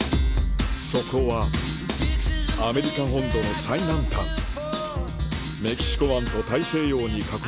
そこはアメリカ本土の最南端でも。